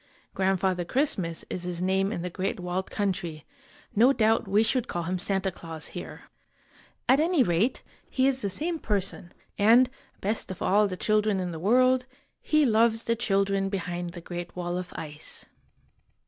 Grandfather Christmas is his name in The Great Walled Country; no doubt we should call him Santa Claus here. At i39 IN THE GREAT WALLED COUNTRY any rate, he is the same person, and, best of all the children in the world, he loves the children behind the great wall of ice.